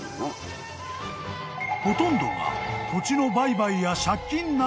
［ほとんどが］